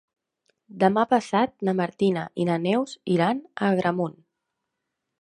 Demà passat na Martina i na Neus iran a Agramunt.